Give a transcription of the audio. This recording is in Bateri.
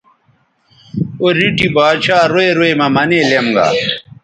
او ریٹھی با ڇھا روئ روئ مہ منے لیم گا